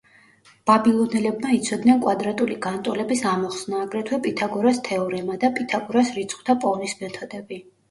ბაბილონელებმა იცოდნენ კვადრატული განტოლების ამოხსნა, აგრეთვე „პითაგორას თეორემა“ და „პითაგორას“ რიცხვთა პოვნის მეთოდები.